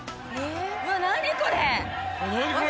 うわ何これ！？